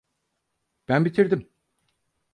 Ben bitirdim.